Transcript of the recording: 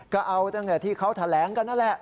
ก็เอาตั้งแต่ที่เขาแถลงกันนั่นแหละ